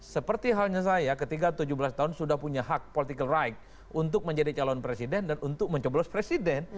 seperti halnya saya ketika tujuh belas tahun sudah punya hak political right untuk menjadi calon presiden dan untuk mencoblos presiden